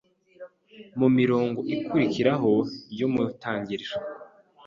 Mu mirongo ikurikiraho yo mu Itangiriro,